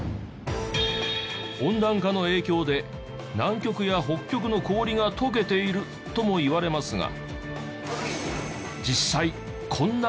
温暖化の影響で南極や北極の氷が溶けているともいわれますが。